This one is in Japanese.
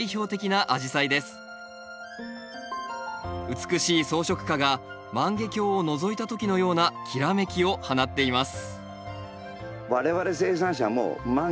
美しい装飾花が万華鏡をのぞいた時のようなきらめきを放っています